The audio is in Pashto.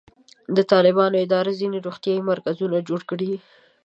د طالبانو اداره ځینې روغتیایي مرکزونه جوړ کړي.